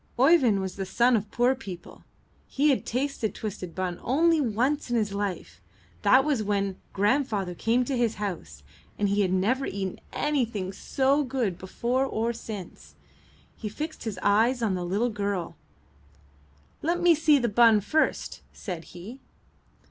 Oeyvind was the son of poor people; he had tasted twisted bun only once in his life; that was when grandfather came to his house, and he had never eaten anything so good before or since. He fixed his eyes on the girl. ''Let me see the bun first,'' said he.